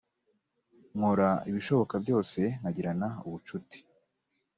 nkora ibishoboka byose nkagirana ubucuti